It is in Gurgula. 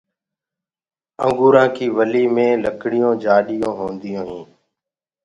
انگوُرآنٚ ڪيٚ ولي مي لڪڙيو جآڏيونٚ هونديونٚ هينٚ۔